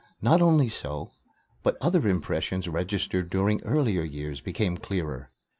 Not only so, but other impressions registered during earlier years became clearer.